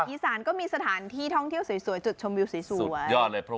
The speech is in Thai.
อีสานก็มีสถานที่ท่องเที่ยวสวยจุดชมวิวสวย